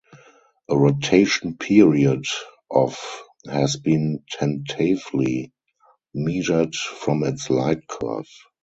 A rotation period of has been tentatively measured from its lightcurve.